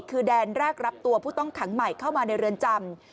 คือแดนแรกรับตัวผู้ต้องขังใหม่เข้ามาในเรือนจำ